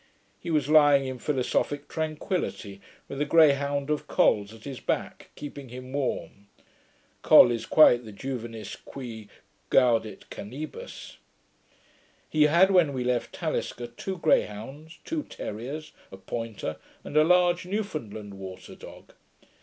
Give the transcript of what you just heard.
He was lying in philosophick tranquillity with a greyhound of Col's at his back, keeping him warm. Col is quite the Juvenis qui gaudet canibus. He had, when we left Talisker, two greyhounds, two terriers, a pointer, and a large Newfoundland water dog.